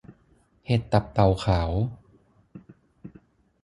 เห็ดตับเต่าขาว